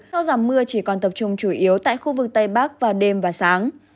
do giảm mưa chỉ còn tập trung chủ yếu tại khu vực tây bắc vào đêm và sáng